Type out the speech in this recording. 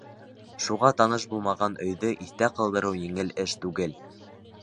Шуға таныш булмаған өйҙө иҫтә ҡалдырыу еңел эш түгел.